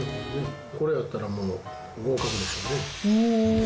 これやったらもう、合格でしょうね。